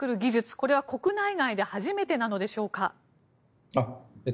これは国内外で初めてなのでしょうか。